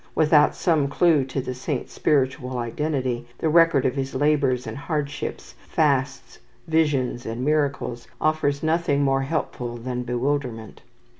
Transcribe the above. Without some clue to the saint's spiritual identity, the record of his labours and hardships, fasts, visions, and miracles, offers nothing more helpful than bewilderment.